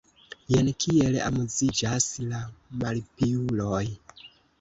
Jen kiel amuziĝas la malpiuloj!